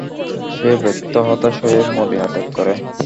সে ব্যর্থ-হতাশ হয়ে মদীনা ত্যাগ করে।